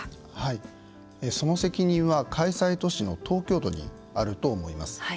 その責任は開催都市の東京都にあると思います。